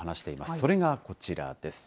それがこちらです。